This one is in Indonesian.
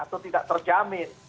atau tidak terjamin